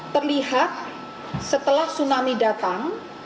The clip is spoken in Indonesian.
terlihat setelah tsunami datang